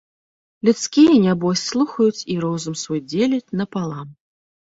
Людскія, нябось, слухаюць і розум свой дзеляць напалам.